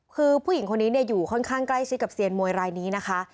คือผู้หญิงคนนี้อยู่ค่อนข้างใกล้ชิดกับเซียนมวยรายนี้นะคะ